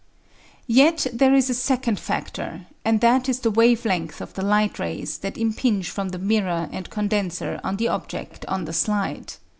Yet there is a second factor, and that is the wave length of the light rays that impinge from the mirror and condenser on the object on the slide.